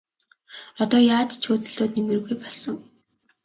Одоо яаж ч хөөцөлдөөд нэмэргүй болсон.